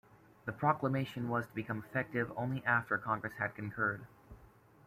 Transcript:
The proclamation was to become effective only after Congress had concurred.